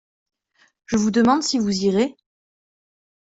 Je vous demande si vous irez ?